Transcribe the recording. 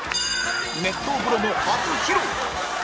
熱湯風呂も初披露！